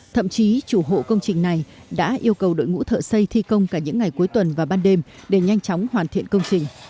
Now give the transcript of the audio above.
thậm chí chủ hộ công trình này đã yêu cầu đội ngũ thợ xây thi công cả những ngày cuối tuần và ban đêm để nhanh chóng hoàn thiện công trình